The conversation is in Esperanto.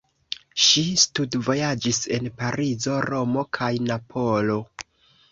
Ŝi studvojaĝis en Parizo, Romo kaj Napolo.